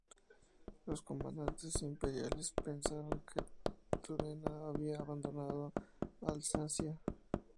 Los comandantes imperiales pensaron que Turena había abandonado Alsacia.